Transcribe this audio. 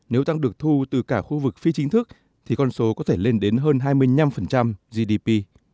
nếu tăng được thu từ cả khu vực phi chính thức thì con số có thể lên đến hơn hai mươi năm gdp